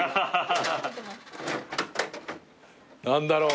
何だろう。